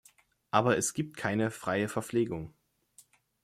Aber es gibt keine "freie Verpflegung" .